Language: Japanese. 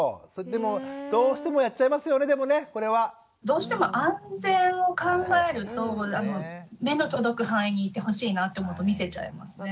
でもどうしてもやっちゃいますよねでもねこれは。どうしても安全を考えると目の届く範囲にいてほしいなと思うと見せちゃいますね。